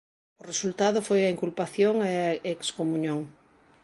O resultado foi a inculpación e a excomuñón.